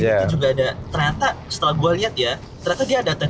di dikit juga ada ternyata setelah gue lihat ya ternyata dia ada tenor